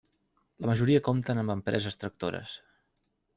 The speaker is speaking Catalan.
La majoria compten amb empreses tractores.